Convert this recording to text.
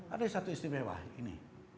ada satu istimewa ini